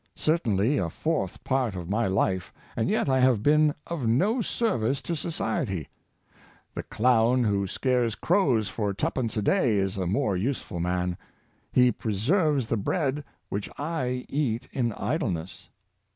certainly a fourth part of my life, and yet I have been of no service to society. The clown who scares crows for twopence a day is a more useful man; he preserves the bread which I eat in idle ness."